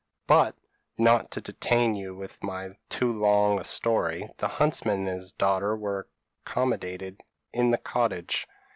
p> "But, not to detain you with too long a story, the huntsman and his daughter were accommodated in the cottage.